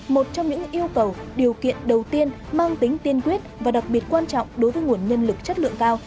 một trong những yêu cầu điều kiện đầu tiên mang tính tiên quyết và đặc biệt quan trọng đối với nguồn nhân lực chất lượng cao